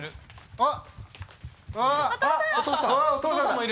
あっ！